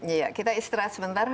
iya kita istirahat sebentar